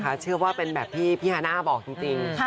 ค่ะนะคะเชื่อว่าเป็นแบบที่พี่ฮานะบอกจริง